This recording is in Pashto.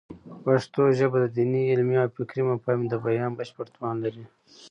پښتو ژبه د دیني، علمي او فکري مفاهیمو د بیان بشپړ توان لري.